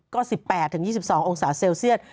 ก็๑๘๒๒องศาเซลเซียต